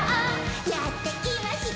「やってきました！」